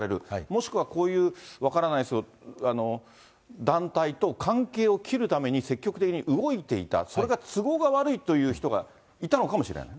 もしくは、こういう、分からないですけど、団体と関係を切るために積極的に動いていた、それが都合が悪いという人がいたのかもしれない。